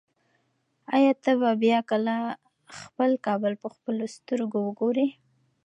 ایا ته به بیا کله خپل کابل په خپلو سترګو وګورې؟